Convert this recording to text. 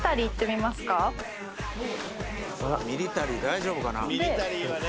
ミリタリー大丈夫かな。